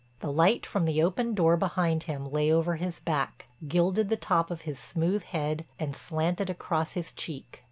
The light from the open door behind him lay over his back, gilded the top of his smooth head and slanted across his cheek.